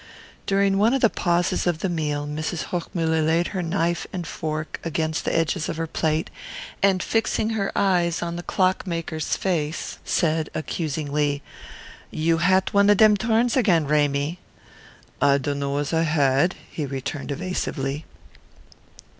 During one of the pauses of the meal Mrs. Hochmuller laid her knife and fork against the edges of her plate, and, fixing her eyes on the clock maker's face, said accusingly: "You hat one of dem turns again, Ramy." "I dunno as I had," he returned evasively.